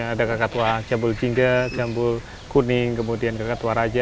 ada kakak tua jambul jingga jambul kuning kemudian kakak tua raja